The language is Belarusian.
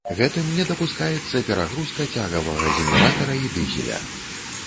Гэтым не дапускаецца перагрузка цягавага генератара і дызеля.